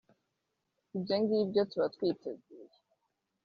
ibyo ngibyo tuba twiteguye